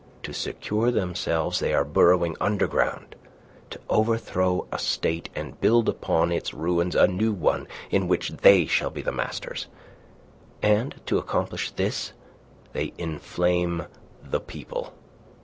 To secure themselves they are burrowing underground to overthrow a state and build upon its ruins a new one in which they shall be the masters. And to accomplish this they inflame the people.